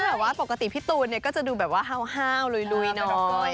แต่ว่าปกติพี่ตูนเนี่ยก็จะดูแบบว่าฮาวลุยนะดอกก้อย